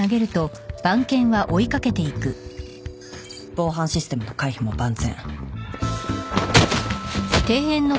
・防犯システムの回避も万全。